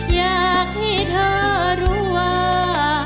อยากให้เธอรู้ว่า